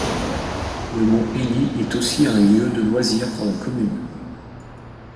Le mont Élie est aussi un lieu de loisirs pour la commune.